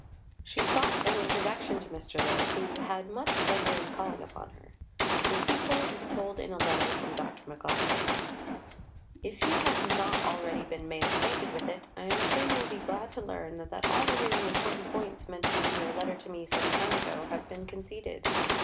She sought an introduction to Mr. Lowe, who "had much pleasure in calling upon her." The sequel is told in a letter from Dr. McLachlan: "If you have not already been made acquainted with it, I am sure you will be glad to learn that all the really important points mentioned in your letter to me some time ago have been conceded.